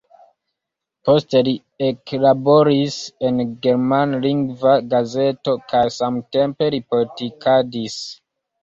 Poste li eklaboris en germanlingva gazeto kaj samtempe li politikadis.